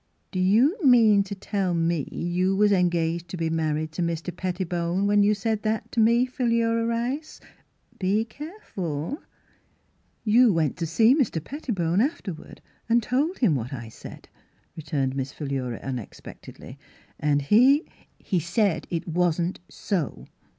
" Do you mean to tell me you was en gaged to be married to Mr. Pettibone when you said that to me, Philura Rice? Be careful! "" You went to see Mr. Pettibone after ward and told him what I said," returned Miss Philura unexpectedly. " And he —"" He said it wasn't so."